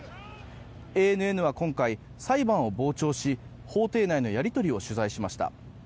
ＡＮＮは今回、裁判を傍聴し法廷内のやり取りを取材しました。